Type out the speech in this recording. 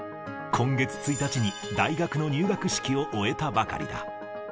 今月１日に大学の入学式を終えたばかりだ。